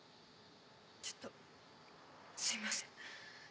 ちょっとすいません。